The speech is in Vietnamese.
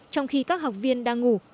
trong khi các học viên đang ngủ